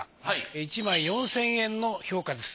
１枚４，０００円の評価です。